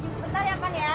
bentar ya pan ya